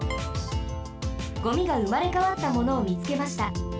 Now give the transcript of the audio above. ゴミがうまれかわったものをみつけました。